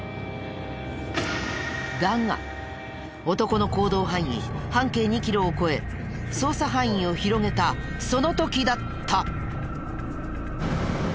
だが男の行動範囲半径２キロを超え捜査範囲を広げたその時だった。